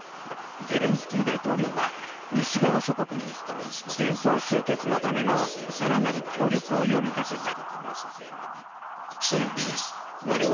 ゼレンスキー大統領は西側諸国に戦争終結のための更なる協力を呼びかけた。